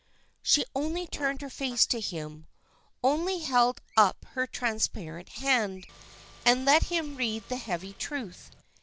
She only turned her face to him, only held up her transparent hand, and let him read the heavy truth.